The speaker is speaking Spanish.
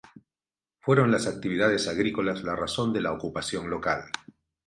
Fueron las actividades agrícolas la razón de la ocupación local.